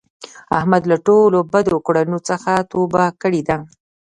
احمد له ټولو بدو کړونو څخه توبه کړې ده.